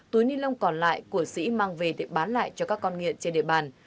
túi ni lông còn lại của sĩ mang về để bán lại cho các con nghiện trên địa bàn